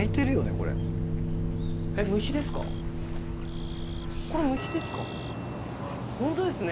これ虫ですか？